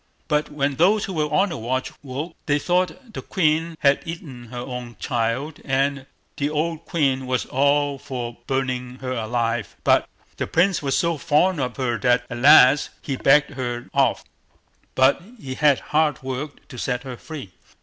But when those who were on the watch woke, they thought the queen had eaten her own child, and the old queen was all for burning her alive, but the Prince was so fond of her that at last he begged her off, but he had hard work to set her free.